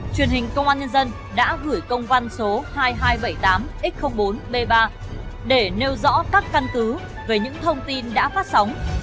truyền hình công an nhân dân đã gửi công văn số hai nghìn hai trăm bảy mươi tám x bốn b ba để nêu rõ các căn cứ về những thông tin đã phát sóng